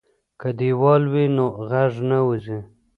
که دیوال وي نو غږ نه وځي.